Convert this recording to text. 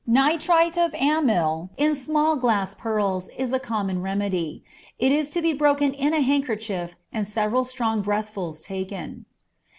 Nitrite of amyl in small glass pearls is a common remedy. It is to be broken in a handkerchief and several strong breathfuls taken.